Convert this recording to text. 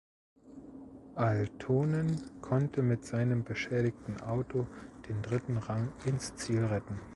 Aaltonen konnte mit seinem beschädigten Auto den dritten Rang ins Ziel retten.